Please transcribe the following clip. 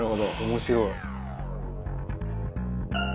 「面白い！」